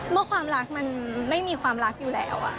ความรักมันไม่มีความรักอยู่แล้ว